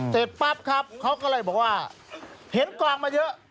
เสร็จปั๊บครับเขาก็เลยบอกว่าเห็นกองมาเยอะ